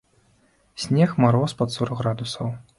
Снег, мароз пад сорак градусаў.